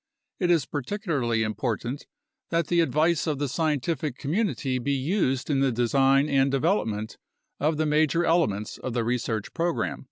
It is particularly important that the advice of the scientific community be used in the design and development of the major elements of the research program.